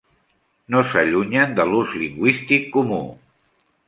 No s'allunyen de l'ús lingüístic comú.